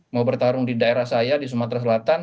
mau bertarung di daerah saya di sumatera selatan